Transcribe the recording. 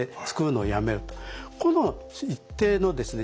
この一定のですね